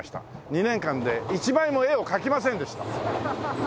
２年間で１枚も絵を描きませんでした！